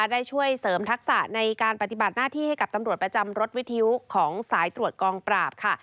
ได้ช่วยเสริมทักษะในการปฏิบัติหน้าที่ให้กับตำรวจประจำรถวิทยุของสายตรวจกองปราบค่ะ